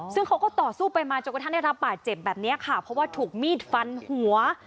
ซึ่งเขาก็ต่อสู้ไปมาจนกระทั่งได้รับบาดเจ็บแบบนี้ค่ะเพราะว่าถูกมีดฟันหัว